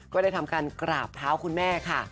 ก็ได้ทำการกราบเท้าคุณแม่ค่ะ